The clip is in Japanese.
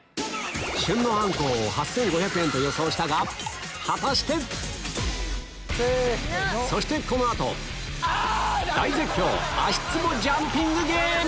旬のアンコウを８５００円と予想したが果たして⁉そしてこの後大絶叫足ツボジャンピングゲーム！